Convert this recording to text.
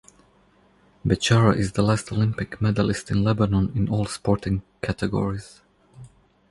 Bechara is the last Olympic medalist in Lebanon in all sporting categories.